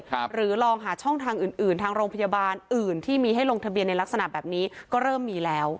หรือลองหาช่องทางอื่นอื่นทางโรงพยาบาลอื่นที่มีให้ลงทะเบียนในลักษณะแบบนี้ก็เริ่มมีแล้ว